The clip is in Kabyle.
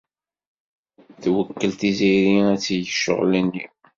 Twekkled Tiziri ad teg ccɣel-nni.